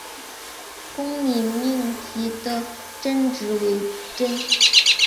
公理命题的真值为真。